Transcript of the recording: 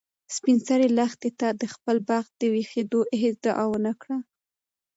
سپین سرې لښتې ته د خپل بخت د ویښېدو هیڅ دعا ونه کړه.